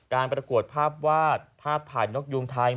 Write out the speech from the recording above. ประกวดภาพวาดภาพถ่ายนกยูงไทย